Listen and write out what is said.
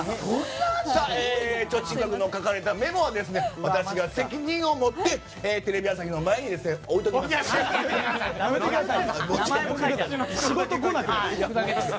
貯蓄額の書かれたメモは私が責任を持ってテレビ朝日の前にやめてください！